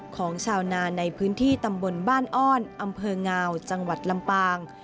ของชาวนาในพื้นที่ตำบลบ้านอ้อนอำเภองาวจังหวัดลำปาง